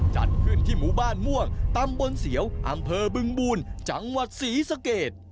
จัดขึ้นที่หมู่บ้านม่วงตำบลเสียวอำเภอบึงบูลจังหวัดศรีสะเกด